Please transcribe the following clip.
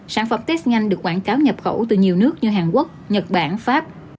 sản phẩm test nhanh được quảng cáo nhập khẩu từ nhiều nước như hàn quốc nhật bản pháp